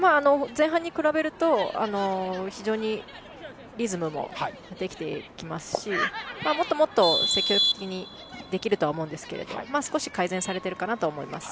前半に比べると非常にリズムもできてきていますしもっと積極的にできるとは思うんですけど少し改善されているかなとは思います。